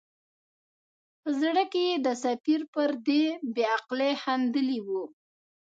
په زړه کې یې د سفیر پر دې بې عقلۍ خندلي وه.